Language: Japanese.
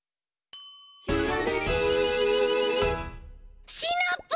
「ひらめき」シナプー！